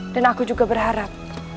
dan aku juga berharap